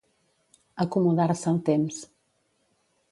Acomodar-se al temps.